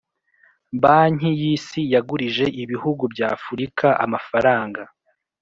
banki y’isi yagurije ibihugu by’ afurika amafaranga